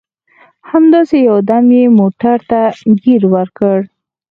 همداسې یو دم یې موټر ته ګیر ورکړ.